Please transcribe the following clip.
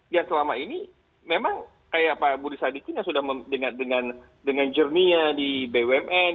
yang selama ini memang kayak pak budi sadikin yang sudah dengan jernia di bumn